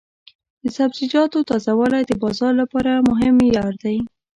د سبزیجاتو تازه والی د بازار لپاره مهم معیار دی.